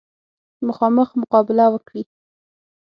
مخامخ مقابله وکړي.